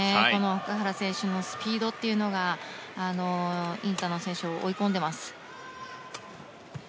奥原選手のスピードというのがインタノン選手を追い込んでいます。